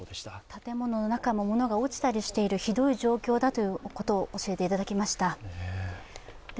建物の中も、ものが落ちたりしているひどい状況だということを教えていただきました。